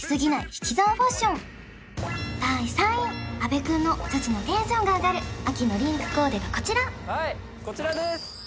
引き算ファッション第３位阿部くんの女子のテンションが上がる秋のリンクコーデがこちらはいこちらです